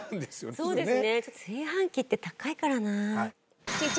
そうですね。